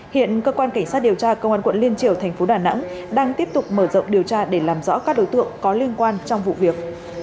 hiện cơ quan cảnh sát điều tra công an quận liên triều thành phố đà nẵng đang tiếp tục mở rộng điều tra để làm rõ các đối tượng có liên quan trong vụ việc